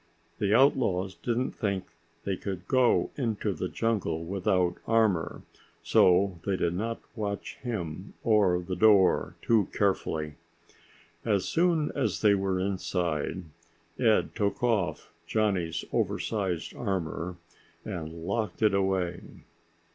The outlaws didn't think that he could go into the jungle without armor, so they did not watch him or the door too carefully. As soon as they were inside, Ed took off Johnny's oversized armor and locked it away.